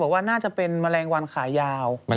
ว่าน่าจะเป็นแมลงวันขายาว